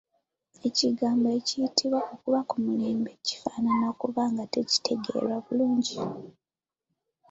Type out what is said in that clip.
Ekigambo ekiyitibwa “okuba ku mulembe” kifaanana okuba nga tekitegeerwa bulungi!